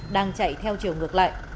đang chạy theo chiều ngược lại